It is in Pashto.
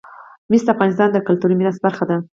مس د افغانستان د کلتوري میراث برخه ده.